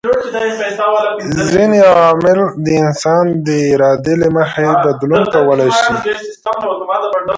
ځيني عوامل د انسان د ارادې له مخي بدلون کولای سي